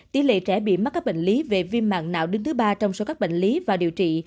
tỷ lệ trẻ bị mắc các bệnh lý về viêm mạng não đứng thứ ba trong số các bệnh lý và điều trị